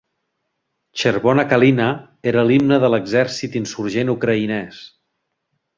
Chervona Kalyna era l'himne de l'Exèrcit Insurgent ucraïnès.